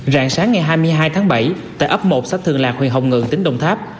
rạng sáng ngày hai mươi hai tháng bảy tại ấp một xã thường lạc huyện hồng ngự tỉnh đồng tháp